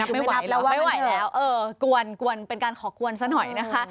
ไม่ไหวแล้วไม่ไหวแล้วเออกวนกวนเป็นการขอกวนสักหน่อยนะคะ